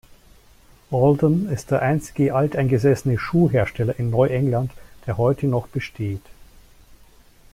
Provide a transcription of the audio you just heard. Alden ist der einzige alteingesessene Schuhhersteller in Neuengland, der heute noch besteht.